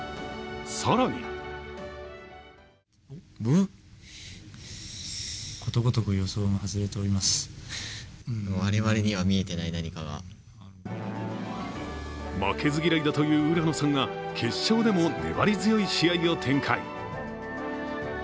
更に負けず嫌いだという浦野さんが決勝でも粘り強い試合を展開。